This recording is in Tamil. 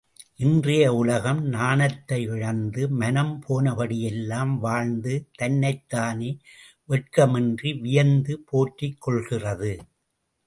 இன்றைய உலகம் நாணத்தை இழந்து மனம் போனபடியெல்லாம் வாழ்ந்து தன்னைத்தானே வெட்கமின்றி வியந்து போற்றிக் கொள்கிறது!